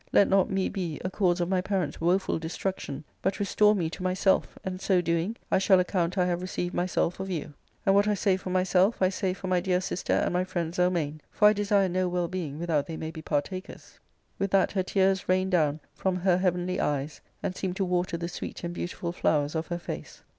Let not me be a cause of my parents' woeful de struction^ but restore me to myself and, so doing, I shall account I have received myself of you. And what I say for myself^ I say for my dear sister and my friend Zelmane ; for I desire no well being without they may be partakers." With that her tears rained down from her heavenly eyes, and seemed to water the sweet and beautiful flowers of her face.